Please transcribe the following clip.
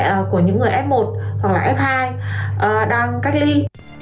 là của những người f một hoặc là f hai đang cách ly